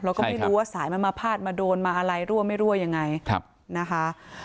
แล้วก็ไม่รู้ว่าสายมันมาพาดมาโดนมาอะไรรั่วไม่รั่วยังไงนะคะ